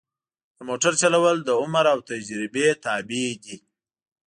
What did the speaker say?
د موټر چلول د عمر او تجربه تابع دي.